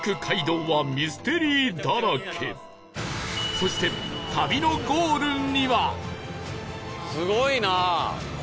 そして旅のゴールには